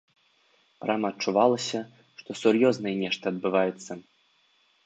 Прама адчувалася, што сур'ёзнае нешта адбываецца.